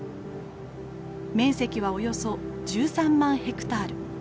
面積はおよそ１３万ヘクタール。